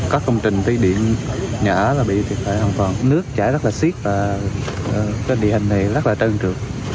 các công trình tây điện nhỏ bị thiệt hại hoàn toàn nước chảy rất là siết và địa hình này rất là trơn trượt